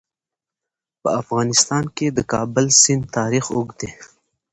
په افغانستان کې د د کابل سیند تاریخ اوږد دی.